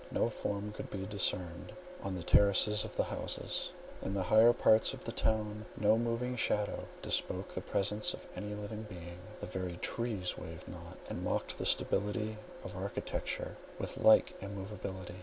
No form could be discerned on the terraces of the houses; in the higher parts of the town no moving shadow bespoke the presence of any living being: the very trees waved not, and mocked the stability of architecture with like immovability.